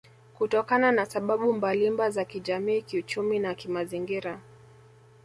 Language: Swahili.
Kutokana na sababu mbalimba za kijamii kiuchumi na kimazingira